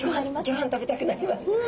ギョはん食べたくなりますね。